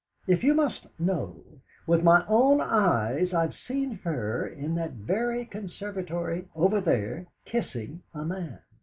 "If you must know, with my own eyes I've seen her in that very conservatory over there kissing a man."